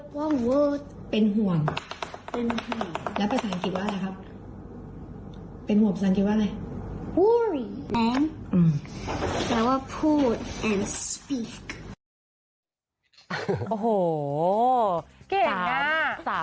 โหเก่งนะ